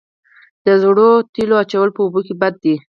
د زړو تیلو اچول په اوبو کې بد دي؟